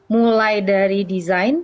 mulai dari desain